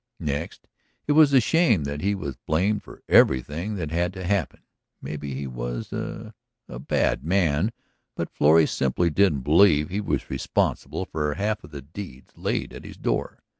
Next, it was a shame that he was blamed for everything that had to happen; maybe he was a ... a bad man, but Florrie simply didn't believe he was responsible for half of the deeds laid at his door.